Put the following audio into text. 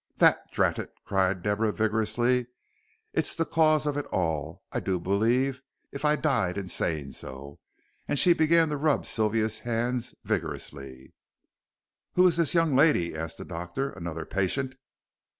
"That, drat it!" cried Deborah, vigorously, "it's the cause of it all, I do believe, if I died in saying so," and she began to rub Sylvia's hands vigorously. "Who is this young lady?" asked the doctor; "another patient?"